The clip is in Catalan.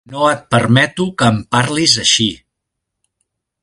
No et permeto que em parlis així!